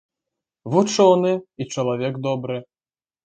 Вучоны і чалавек добры.